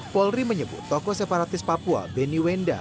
polri menyebut tokoh separatis papua beni wenda